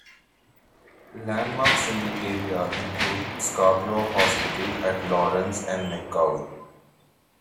Landmarks in the area include Scarborough Hospital at Lawrence and McCowan.